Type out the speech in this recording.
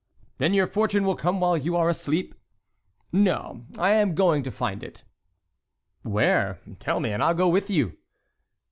"Then your fortune will come while you are asleep." "No; I am going to find it." "Where? Tell me and I'll go with you."